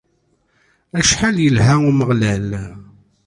Acḥal yelha Umeɣlal!